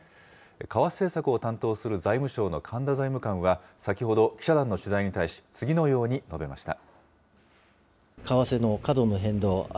為替政策を担当する財務省の神田財務官は、先ほど、記者団の取材に対し、次のように述べました。